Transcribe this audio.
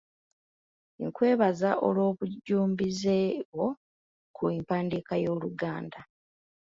Nkwebaza olw'obujjumbize bwo ku mpandiika y'Oluganda.